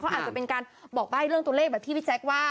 อาจจะเป็นการบอกใบ้เรื่องตัวเลขแบบที่พี่แจ๊คว่า